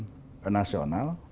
harus ada rembuk nasional